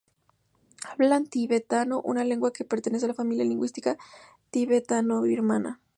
Hablan tibetano, una lengua que pertenece a la familia lingüística tibetano-birmana.